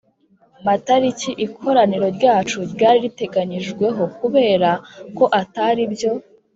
matariki ikoraniro ryacu ryari riteganyijweho Kubera ko Atari byo